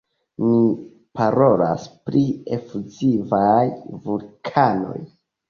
Ni parolas pri efuzivaj vulkanoj.